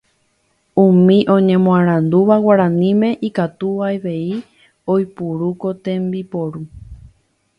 Umi oñemoarandúva guaraníme ikatu avei oiporu ko tembiporu